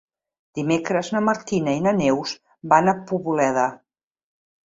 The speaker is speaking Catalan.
Dimecres na Martina i na Neus van a Poboleda.